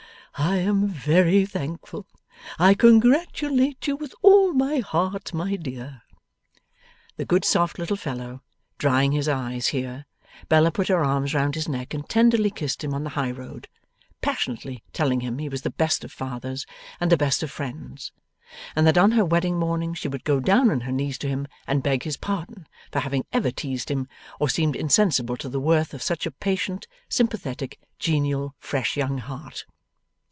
I am very thankful. I congratulate you with all my heart, my dear.' The good soft little fellow, drying his eyes, here, Bella put her arms round his neck and tenderly kissed him on the high road, passionately telling him he was the best of fathers and the best of friends, and that on her wedding morning she would go down on her knees to him and beg his pardon for having ever teased him or seemed insensible to the worth of such a patient, sympathetic, genial, fresh young heart.